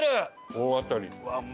大当たり。